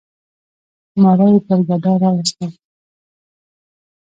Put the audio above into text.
ماره یي پر ګډا راوستل.